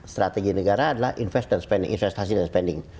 strategi negara adalah investasi dan spending